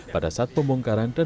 pada saat pembongkaran dan